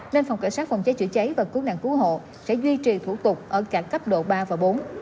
nên phòng cảnh sát phòng cháy chữa cháy và cứu nạn cứu hộ sẽ duy trì thủ tục ở cả cấp độ ba và bốn